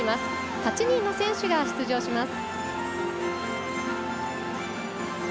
８人の選手が出場します。